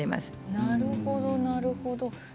なるほど、なるほど。